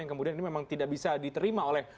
yang kemudian ini memang tidak bisa diterima oleh